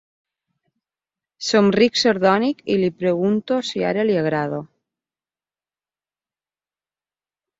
Somric sardònic i li pregunto si ara li agrado.